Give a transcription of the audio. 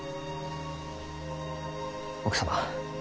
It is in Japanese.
奥様